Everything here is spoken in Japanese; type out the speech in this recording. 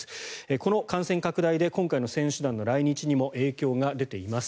この感染拡大で今回の選手団の来日にも影響が出ています。